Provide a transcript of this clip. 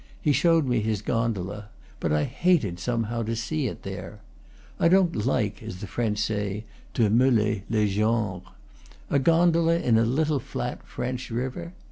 He showed me his gondola; but I hated, somehow, to see it there. I don't like, as the French say, to meler les genres. A gondola in a little flat French river?